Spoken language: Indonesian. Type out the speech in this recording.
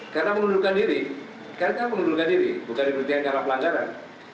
karena mengundurkan diri karena mengundurkan diri bukan diperhatikan secara pelancaran